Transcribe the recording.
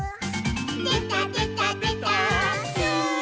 「でたでたでたー」ス！